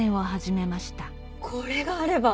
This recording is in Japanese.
これがあれば！